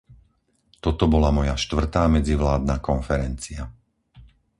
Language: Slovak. Toto bola moja štvrtá medzivládna konferencia.